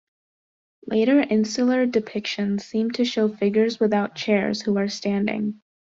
Later Insular depictions seem to show figures without chairs, who are standing.